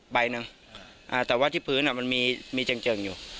ใบหนึ่งอ่าแต่ว่าที่พื้นอ่ะมันมีมีเจ็งเจิงอยู่